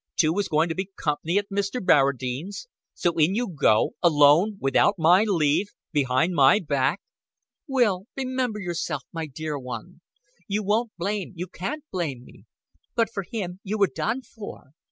Two was to be comp'ny at Mr. Barradine's. So in you go alone without my leave behind my back." "Will remember yourself, my dear one. You won't blame, you can't blame me. But for him, you were done for.